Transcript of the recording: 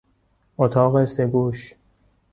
اتاق سه گوش